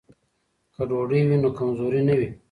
که ډوډۍ وي نو کمزوري نه وي.